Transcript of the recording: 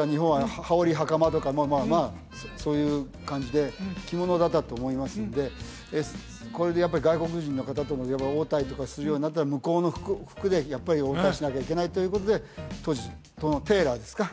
まあ当然そういう感じで着物だったと思いますんでこれで外国人の方との応対とかするようになったら向こうの服で応対しなきゃいけないということで当時テーラーですか